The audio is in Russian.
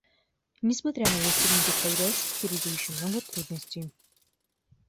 Несмотря на достигнутый прогресс, впереди еще много трудностей.